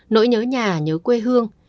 nỗi nhớ nhà nhớ quê hương